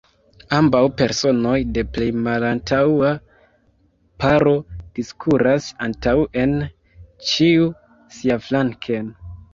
Ambaŭ personoj de plej malantaŭa paro diskuras antaŭen, ĉiu siaflanken.